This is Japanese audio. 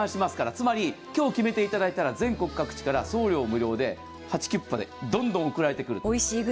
つまり、今日決めていただいたら全国各地から送料無料でハチキュッパでどんどん送られてくると。